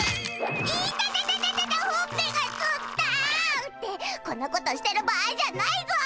イタタタタタタほっぺがつった！ってこんなことしてる場合じゃないぞ。